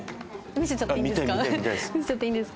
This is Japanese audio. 見せちゃっていいんですか？